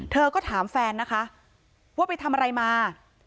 เธอก็ถามแฟนนะคะว่าไปทำอะไรมา